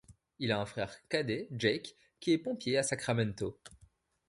Il a un frère cadet Jake qui est pompier à Sacramento.